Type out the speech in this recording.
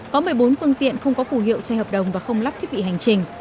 có một mươi bốn phương tiện không có phù hiệu xe hợp đồng và không lắp thiết bị hành trình